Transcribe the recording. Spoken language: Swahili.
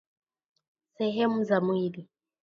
sehemu za mwili